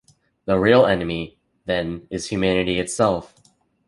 The real enemy then is humanity itself.